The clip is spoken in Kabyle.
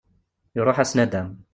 Iruḥ-as nnudam.